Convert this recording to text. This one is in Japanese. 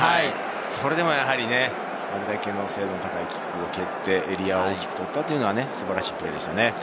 それでもやはり、これだけの精度の高いキックを蹴って、エリアを大きく取ったというのは素晴らしいプレーでしたね。